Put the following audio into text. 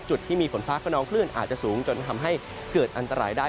จุดที่มีฝนฟ้าขนองคลื่นอาจจะสูงจนทำให้เกิดอันตรายได้